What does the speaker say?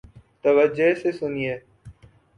توجہ سے سنیئے